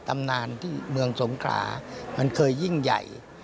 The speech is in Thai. ตำนานที่เมืองสงขรามันเคยยิ่งใหญ่